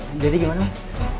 ya jadi gimana mas